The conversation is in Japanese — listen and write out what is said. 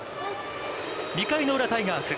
２回裏、タイガース。